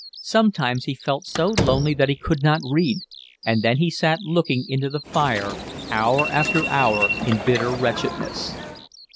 Sometimes he felt so lonely that he could not read, and then he sat looking into the fire hour after hour in bitter wretchedness.